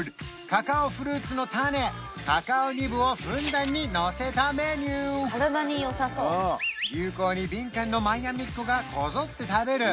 カカオフルーツの種カカオニブをふんだんにのせたメニュー流行に敏感のマイアミっ子がこぞって食べる